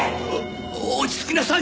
落ち着きなさい！